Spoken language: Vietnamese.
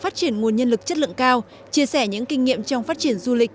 tìm nguồn nhân lực chất lượng cao chia sẻ những kinh nghiệm trong phát triển du lịch